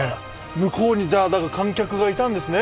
向こうにじゃあだから観客がいたんですね。